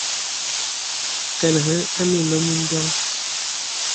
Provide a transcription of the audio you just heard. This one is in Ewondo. Kəlag hm a minlo mi ndoŋ !